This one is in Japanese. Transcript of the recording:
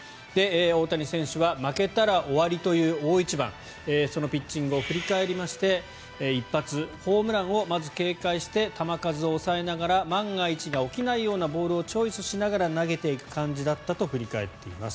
大谷選手は負けたら終わりという大一番そのピッチングを振り返りまして一発、ホームランをまず警戒して球数を抑えながら万が一が起きないようなボールをチョイスしながら投げていく感じだったと振り返っています。